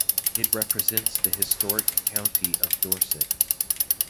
It represents the historic county of Dorset.